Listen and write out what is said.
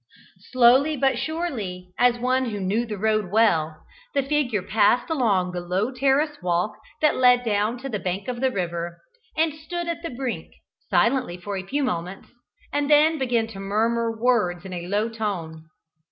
Slowly but surely, as one who knew the road well, the figure passed along the low terrace walk that led down to the bank of the river, and stood at the brink, silently for a few moments, and then began to murmur words in a low tone.